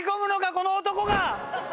この男が！